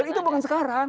dan itu bukan sekarang